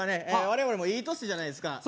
我々もいい年じゃないですか